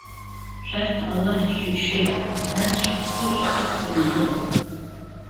Шәарҭ Аллаҳ шәишеит, нас шәыԥсы шәхихраны дыҟоуп.